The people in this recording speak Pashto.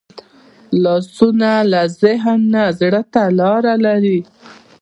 لاسونه له ذهن نه زړه ته لاره لري